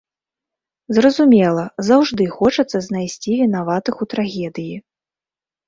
Зразумела, заўжды хочацца знайсці вінаватых у трагедыі.